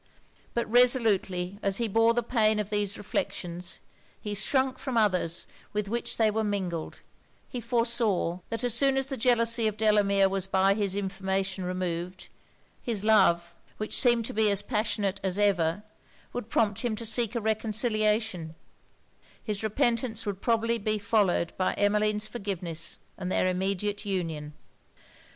But resolutely as he bore the pain of these reflections, he shrunk from others with which they were mingled: he foresaw, that as soon as the jealousy of Delamere was by his information removed; his love, which seemed to be as passionate as ever, would prompt him to seek a reconciliation: his repentance would probably be followed by Emmeline's forgiveness and their immediate union.